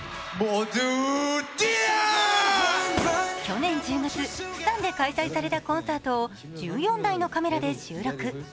去年１０月、プサンで開催されたコンサートを１４台のカメラで収録。